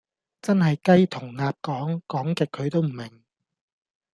真係雞同鴨講，講極佢都唔明